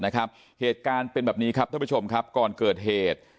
เหตุการณ์เป็นแบบนี้ครับท่านผู้ชมครับก่อนเกิดเหตุ